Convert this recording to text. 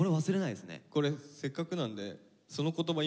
これせっかくなんでその言葉